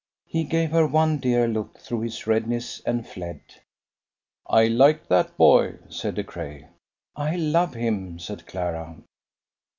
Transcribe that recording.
He gave her one dear look through his redness, and fled. "I like that boy," said De Craye. "I love him," said Clara.